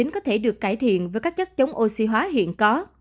có thể được cải thiện với các chất chống oxy hóa hiện có